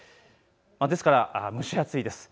ですから蒸し暑いです。